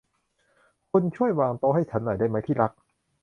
คุณช่วยวางโต๊ะให้ฉันหน่อยได้มั้ย ที่รัก